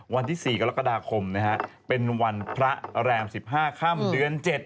วันที่๔กรกฎาคมนะฮะเป็นวันพระแรม๑๕ค่ำเดือน๗